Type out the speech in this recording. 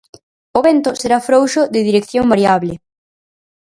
O vento será frouxo de dirección variable.